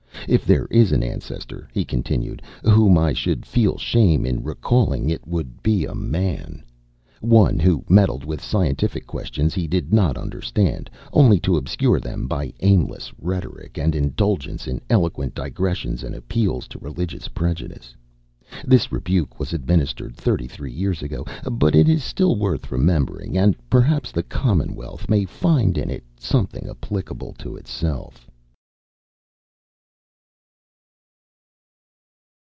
"If there is an ancestor," he continued, "whom I should feel shame in recalling it would be a man" one who meddled with scientific questions he did not understand, only to obscure them by aimless rhetoric, and indulgence in "eloquent digressions and appeals to religious prejudice." This rebuke was administered thirty three years ago, but it is still worth remembering, and perhaps the Commonwealth may find in it something applicable to itself.